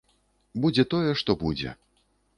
Будзе тое, што будзе.